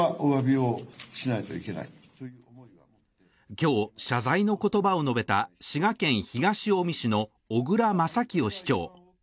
今日、謝罪の言葉を述べた滋賀県東近江市の小椋正清市長。